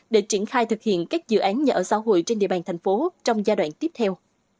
để triển khai thực hiện các dự án nhà ở xã hội trên địa bàn thành phố trong giai đoạn tiếp theo